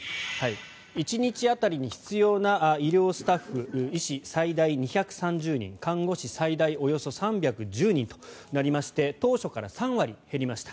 １日当たりに必要な医療スタッフ医師、最大２３０人看護師、最大およそ３１０人となりまして当初から３割減りました。